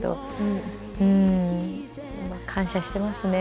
うーん。感謝していますね。